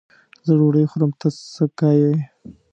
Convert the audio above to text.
زه ډوډۍ خورم؛ ته څه که یې.